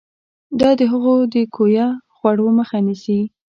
دا د هغو د کویه خوړو مخه نیسي.